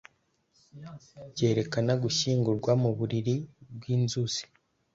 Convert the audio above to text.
byerekana gushyingurwa mu buriri bwinzuzi